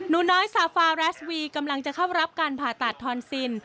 หนูน้อยซาฟาแรสวีกำลังจะเข้ารับการผ่าตัดทอนซิน